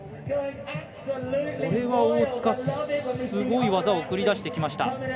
これは大塚すごい技を繰り出してきました。